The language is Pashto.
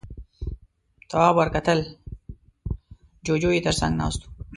تواب ور وکتل، جُوجُو يې تر څنګ ناست و.